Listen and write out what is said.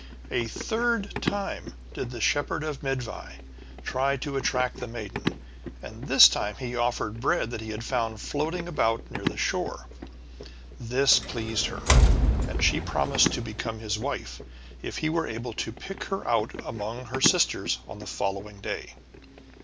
A third time did the shepherd of Myddvai try to attract the maiden, and this time he offered bread that he had found floating about near the shore. This pleased her, and she promised to become his wife if he were able to pick her out from among her sisters on the following day.